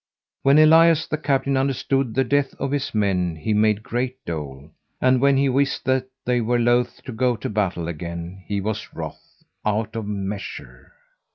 When Elias the captain understood the death of his men he made great dole; and when he wist that they were loath to go to battle again he was wroth out of measure.